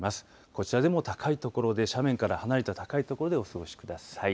こちらでも高い所で斜面から離れた高い所でお過ごしください。